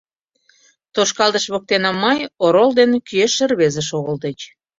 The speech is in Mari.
Тошкалтыш воктене мыйс орол ден кӱэштше рвезе шогылтыч.